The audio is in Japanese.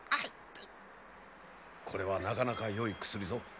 これはなかなかよい薬ぞ。